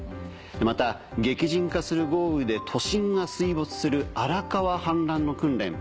また激甚化する豪雨で都心が水没する荒川氾濫の訓練。